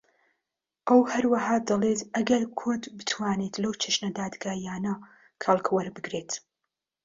ئەو هەروەها دەڵێت ئەگەر کورد بتوانێت لەو چەشنە دادگایانە کەڵک وەربگرێت